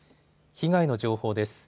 被害の情報です。